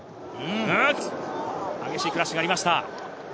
激しいクラッシュがありました。